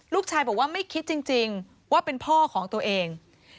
ลูกชายบอกว่าไม่คิดจริงว่าเป็นพ่อของตัวเอง